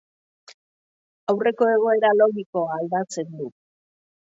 Aurreko egoera logikoa aldatzen du.